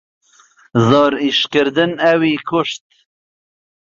زۆر ئیشکردن ئەوی کوشت.